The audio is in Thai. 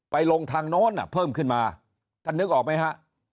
ลงทางโน้นเพิ่มขึ้นมาท่านนึกออกไหมฮะ